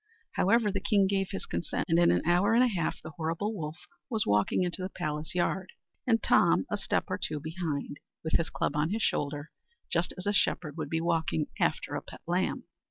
However, the king gave his consent; and in an hour and a half the horrible wolf was walking into the palace yard, and Tom a step or two behind, with his club on his shoulder, just as a shepherd would be walking after a pet lamb.